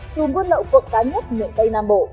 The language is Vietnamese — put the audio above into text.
trùm quân lậu cộng cá nhất miền tây nam bộ